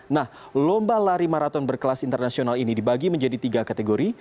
nah lomba lari maraton berkelas internasional ini dibagi menjadi tiga kategori